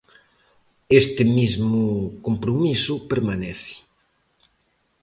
Este mesmo compromiso permanece.